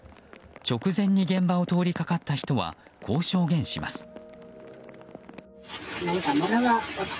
直前に現場を通りかかった人はこう証言します。